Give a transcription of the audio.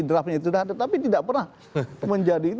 draftnya itu sudah ada tapi tidak pernah menjadi itu